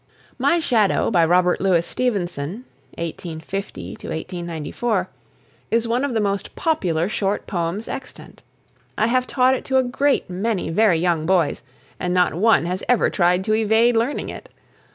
"My Shadow," by Robert Louis Stevenson (1850 94), is one of the most popular short poems extant. I have taught it to a great many very young boys, and not one has ever tried to evade learning it.